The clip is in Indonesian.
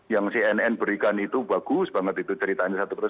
yang cnn berikan itu bagus banget itu ceritanya satu persatu